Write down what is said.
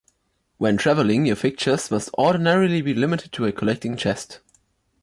When travelling your fixtures must ordinarily be limited to a collecting-chest.